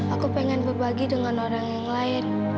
aku pengen berbagi dengan orang yang lain